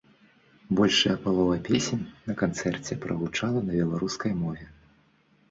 Большая палова песень на канцэрце прагучала на беларускай мове.